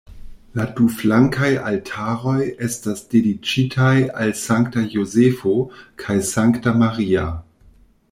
La du flankaj altaroj estas dediĉitaj al Sankta Jozefo kaj Sankta Maria.